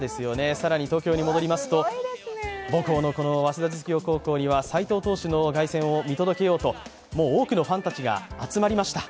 更に東京に戻りますと母校の早稲田実業高校には斎藤投手の凱旋を見届けようと多くのファンたちが集まりました。